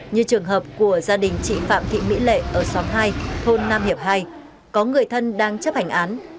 như trường hợp của gia đình chị phạm thị mỹ lệ ở xóm hai thôn nam hiệp hai có người thân đang chấp hành án